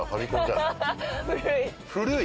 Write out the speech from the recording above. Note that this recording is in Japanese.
古い？